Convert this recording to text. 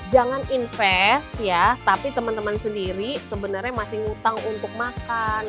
jangan invest ya tapi teman teman sendiri sebenarnya masih ngutang untuk makan